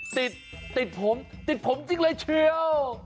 ติดติดผมติดผมจริงเลยเชียว